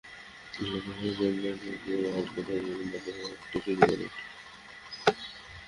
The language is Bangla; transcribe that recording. দীর্ঘক্ষণ কাকরাইলের যানজটে আটকে থাকায় তিনি বাধ্য হয়ে হাঁটতে শুরু করেন।